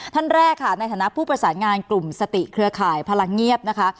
ท่านแรกค่ะในฐานะผู้ประสานงานกลุ่มสติเครือข่ายพลังเงียบนะคะ